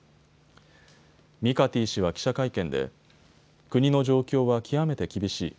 ミカティ氏は記者会見で国の状況は極めて厳しい。